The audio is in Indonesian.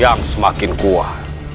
yang semakin kuat